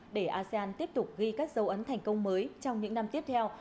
để asean tiếp tục ghi các dấu ấn thành công mới trong những năm tiếp theo